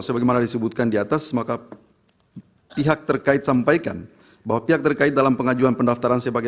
sebagaimana disebutkan di atas maka pihak terkait sampaikan bahwa pihak terkait dalam pengajuan pendaftaran sebagai